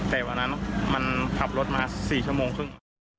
แต่วันนั้นมันขับรถมา๔ชั่วโมงครึ่ง